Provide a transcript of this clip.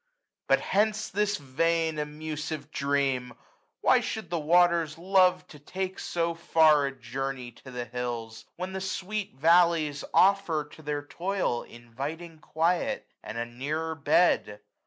But hence this vain Amusive dream ! why should the waters love 755 To take so far a journey to the hills, When the sweet valleys oflFer to their toil Inviting quiet, and a nearer bed